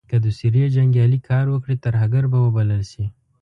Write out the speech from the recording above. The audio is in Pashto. که د سوریې جنګیالې کار وکړي ترهګر به وبلل شي.